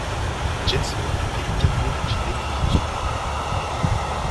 Gensler est le cabinet d’architectes qui le supervise.